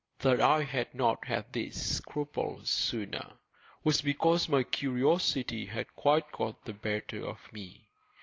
That I had not had these scruples sooner was because my curiosity had quite got the better of me.